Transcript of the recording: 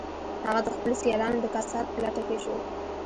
هغه د خپلو سیالانو د کسات په لټه کې شو